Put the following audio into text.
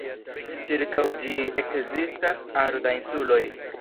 Ĉirkaŭ ĝi ekzistas aro da insuloj.